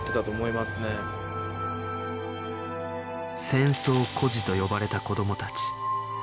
戦争孤児と呼ばれた子どもたち